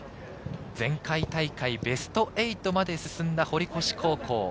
前回大会ベスト８まで進んだ堀越高校。